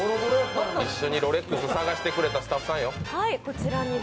一緒にロレックス探してくれたスタッフさんよ。